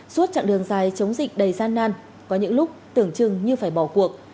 suốt chặng đường dài chống dịch đầy gian nan có những lúc tưởng chừng như phải bỏ cuộc